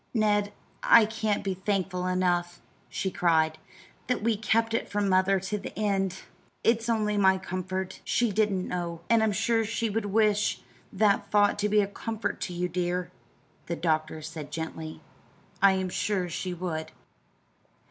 "Ned, I can't be thankful enough," she cried, "that we kept it from Mother to the end. It's my only comfort. She didn't know." "And I'm sure she would wish that thought to be a comfort to you, dear," said the doctor gently. "I am sure she would."